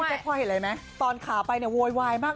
พ่อเห็นอะไรไหมตอนขาไปเนี่ยโวยวายมาก